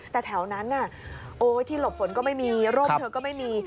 แต่แถวนั้นที่หลบฝนก็ไม่มีร่มเธอก็ไม่มี